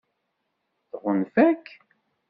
Tɣunfa-k?